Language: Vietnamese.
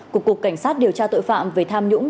của cục cảnh sát điều tra tội phạm về tham nhũng